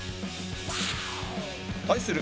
対する